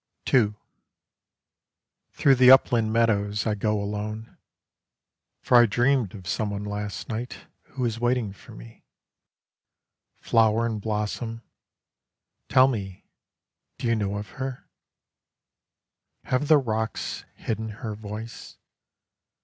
II Through the upland meadows I go alone. For I dreamed of someone last night Who is waiting for me. Flower and blossom, tell me, do you know of her? Have the rocks hidden her voice?